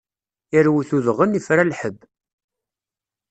Irwet udɣen, ifra lḥebb!